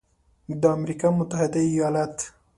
د امریکا متحده ایالات